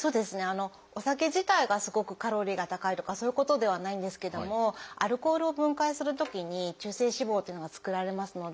お酒自体がすごくカロリーが高いとかそういうことではないんですけどもアルコールを分解するときに中性脂肪っていうのが作られますので。